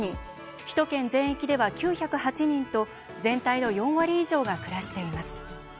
首都圏全域では９０８人と全体の４割以上が暮らしています。